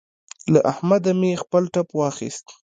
له احمده مې خپل ټپ واخيست.